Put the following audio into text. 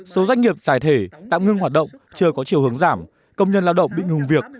số doanh nghiệp giải thể tạm ngưng hoạt động chưa có chiều hướng giảm công nhân lao động bị ngừng việc